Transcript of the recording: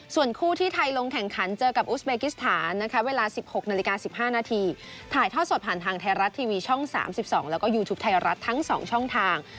ส่วนคู่ที่ไทยลงแข่งขันเจอกับอุสเบกิสถานนะคะเวลา๑๖นาฬิกา๑๕นาทีถ่ายทอดสดผ่านทางไทยรัฐทีวีช่อง๓๒แล้วก็ยูทูปไทยรัฐทั้ง๒ช่องทาง